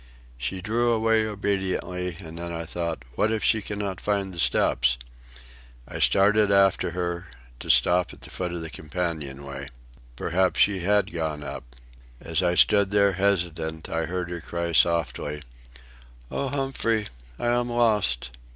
She drew away obediently, and then I thought, What if she cannot find the steps? I started after her, to stop at the foot of the companion way. Perhaps she had gone up. As I stood there, hesitant, I heard her cry softly: "Oh, Humphrey, I am lost."